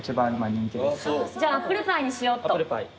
じゃあアップルパイにしようっと。